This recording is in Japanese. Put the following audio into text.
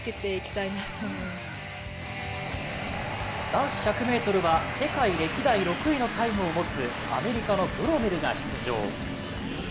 男子１００ｍは世界歴代６位のタイムを持つアメリカのブロメルが出場。